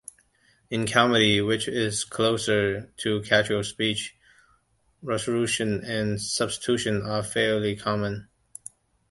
In comedy, which is closer to casual speech, resolution and substitution are fairly common.